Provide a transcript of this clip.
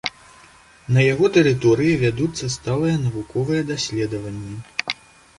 На яго тэрыторыі вядуцца сталыя навуковыя даследаванні.